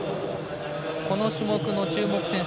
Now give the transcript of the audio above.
この種目の注目選手